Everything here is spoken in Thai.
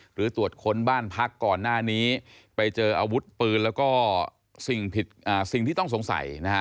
หรือตรวจค้นบ้านพักก่อนหน้านี้ไปเจออาวุธปืนแล้วก็สิ่งที่ต้องสงสัยนะฮะ